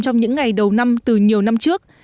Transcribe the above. trong những ngày đầu năm từ nhiều năm trước